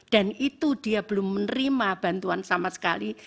dan itu dia belum menerima bantuan sama sekali